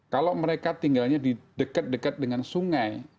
kalau mereka tinggalnya di dekat dekat dengan sungai